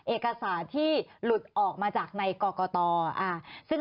เอกสารที่หลุดออกมาจากในกรกตซึ่ง